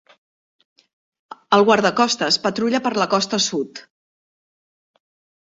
El guardacostes patrulla per la costa sud.